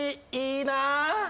いいなぁ。